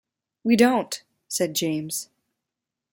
"We don't," said James.